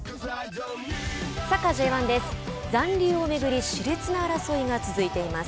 サッカーＪ１です。